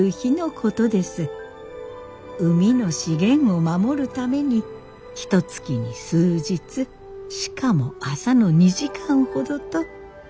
海の資源を守るためにひとつきに数日しかも朝の２時間ほどと決められているのです。